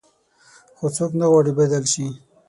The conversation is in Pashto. خو څوک نه غواړي بدل شي.